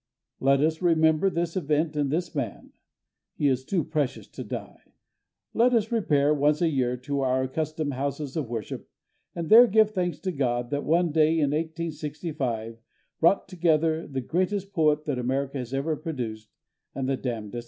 Let us remember this event and this man; he is too precious to die. Let us repair, once a year, to our accustomed houses of worship and there give thanks to God that one day in 1865 brought together the greatest poet that America has ever produced and the damndest ass.